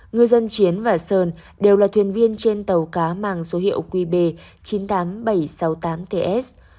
ngư dân chiến và sơn đều là thuyền viên trên tàu cá mang số hiệu qb chín mươi tám nghìn bảy trăm sáu mươi tám ts